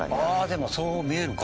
でもそう見えるか。